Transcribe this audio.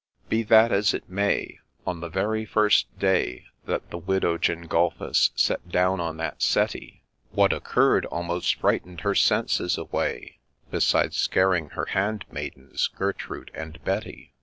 Be that as it may, on the very first day That the widow Gengulphus sat down on that settee, What occurr'd almost frighten'd her senses away, Beside scaring her hand maidens, Gertrude and Betty.